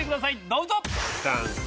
どうぞ。